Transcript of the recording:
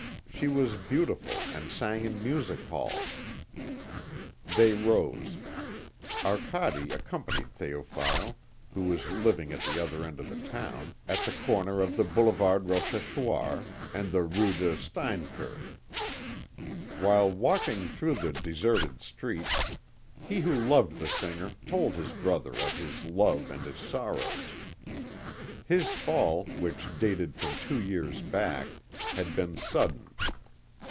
She was beautiful and sang in music halls." They rose. Arcade accompanied Théophile, who was living at the other end of the town, at the corner of the Boulevard Rochechouart and the Rue de Steinkerque. While walking through the deserted streets he who loved the singer told his brother of his love and his sorrows. His fall, which dated from two years back, had been sudden.